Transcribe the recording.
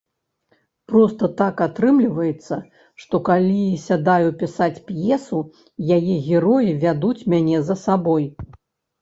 Проста так атрымліваецца, што, калі сядаю пісаць п'есу, яе героі вядуць мяне за сабой.